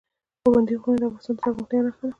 پابندی غرونه د افغانستان د زرغونتیا نښه ده.